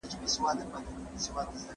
ځیني وختونه لارښود استاد بیخي شتون نه لري.